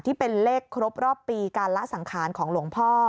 ที่เป็นเลขครบรอบปีการละสังขารของหลวงพ่อ